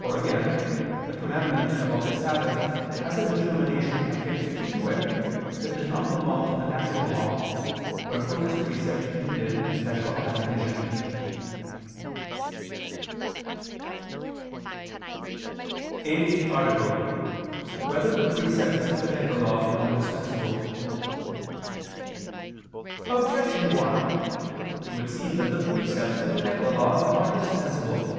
Or again, the commandment about the Sabbath has a determination affixed to it that does not belong to the natural law, wherefore this precept needed a special admonition. ________________________ EIGHTH ARTICLE [I II, Q. 100, Art. 8] Whether the Precepts of the Decalogue Are Dispensable? Objection 1: It would seem that the precepts of the decalogue are dispensable.